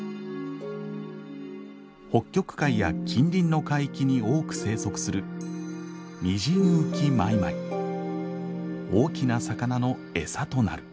北極海や近隣の海域に多く生息する大きな魚のエサとなる。